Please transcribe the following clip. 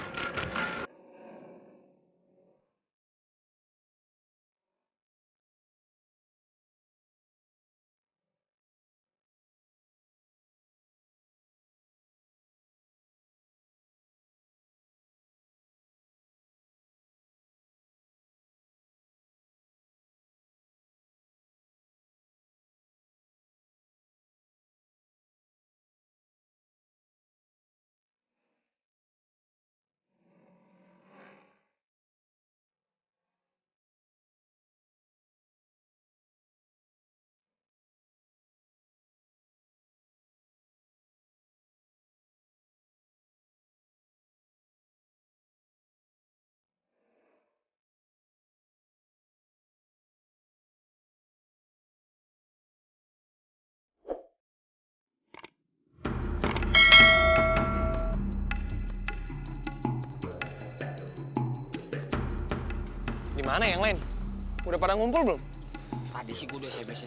tapi geng motor lain juga bisa jadi korban boy